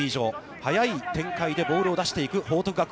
速い展開でボールを出していく報徳学園。